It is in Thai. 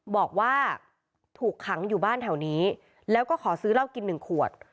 บอกว่าถูกขังอยู่บ้านแถวนี้แล้วก็ขอซื้อเหล้ากิน๑ขวด